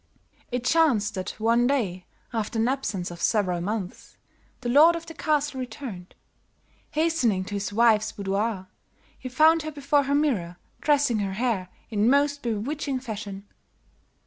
"It chanced that one day, after an absence of several months, the lord of the castle returned. Hastening to his wife's boudoir, he found her before her mirror dressing her hair in most bewitching fashion.